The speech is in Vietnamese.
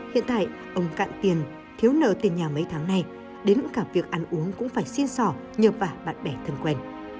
hiện tại ông cạn tiền thiếu nợ tiền nhà mấy tháng này đến cả việc ăn uống cũng phải xin sỏ nhờ vả bạn bè thân quen